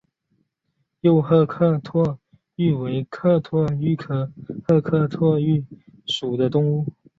幼赫壳蛞蝓为壳蛞蝓科赫壳蛞蝓属的动物。